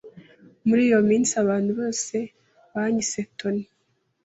Muri iyo minsi abantu bose banyise Tony.